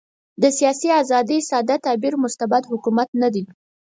د سیاسي آزادۍ ساده تعبیر مستبد حکومت نه دی.